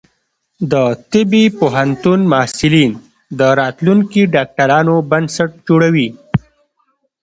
د طبی پوهنتون محصلین د راتلونکي ډاکټرانو بنسټ جوړوي.